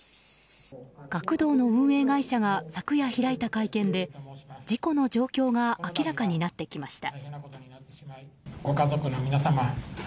学童の運営会社が昨夜開いた会見で事故の状況が明らかになってきました。